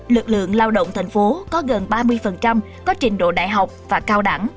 lực lượng lao động thành phố có gần ba mươi có trình độ đại học và cao đẳng